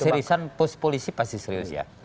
saya kira kalau keseriusan polisi pasti serius ya